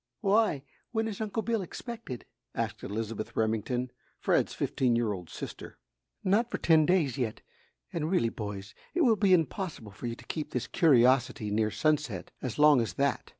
"Why, when is Uncle Bill expected?" asked Elizabeth Remington, Fred's fifteen year old sister. "Not for ten days yet, and really, boys, it will be impossible for you to keep this curiosity near Sunset as long as that!